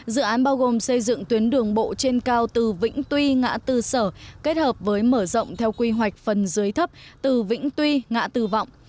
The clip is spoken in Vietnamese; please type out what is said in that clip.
dự án bao gồm xây dựng tuyến đường bộ trên cao từ vĩnh tuy ngã tư sở kết hợp với mở rộng theo quy hoạch phần dưới thấp từ vĩnh tuy ngã tư vọng